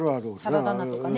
サラダ菜とかね。